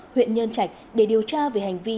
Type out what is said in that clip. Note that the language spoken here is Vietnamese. huyện nhơn trạch để điều tra về hành vi